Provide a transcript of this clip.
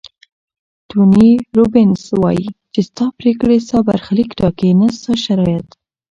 توني روبینز وایي چې ستا پریکړې ستا برخلیک ټاکي نه ستا شرایط.